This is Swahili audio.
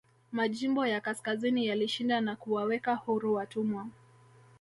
Majimbo ya kaskazini yalishinda na kuwaweka huru watumwa